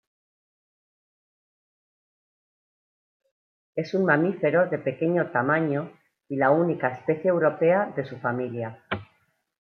Es un mamífero de pequeño tamaño y la única especie europea de su familia.